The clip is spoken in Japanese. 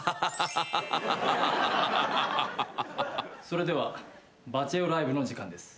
それではバチェ男ライブの時間です。